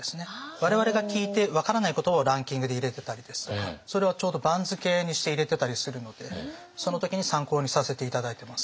我々が聞いて分からない言葉をランキングで入れてたりですとかそれをちょうど番付にして入れてたりするのでその時に参考にさせて頂いてます。